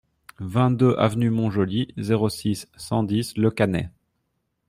vingt-deux avenue Mont-Joli, zéro six, cent dix Le Cannet